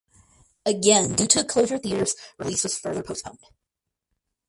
Again due to closure of theaters release was further postponed.